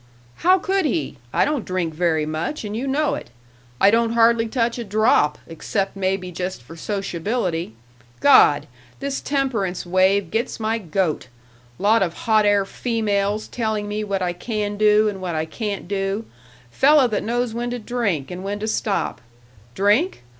"How could he? I don't drink very much, and you know it. I don't hardly touch a drop, except maybe just for sociability. God! this temperance wave gets my goat! Lot of hot air females telling me what I can do and what I can't do fella that knows when to drink and when to stop. Drink?